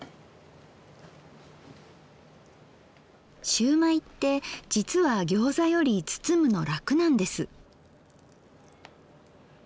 しゅうまいってじつはギョーザより包むの楽なんです。